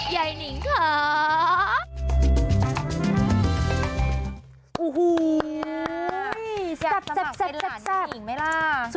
ยายนิงระ